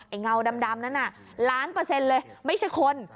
เงาดำนั้นน่ะล้านเปอร์เซ็นต์เลยไม่ใช่คน